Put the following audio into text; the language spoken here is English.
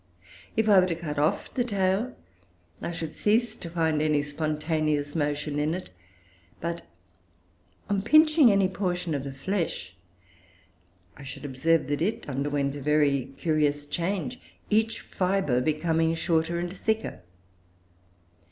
If I were to cut off the tail, I should cease to find any spontaneous motion in it; but on pinching any portion of the flesh, I should observe that it underwent a very curious change each fibre becoming shorter and thicker.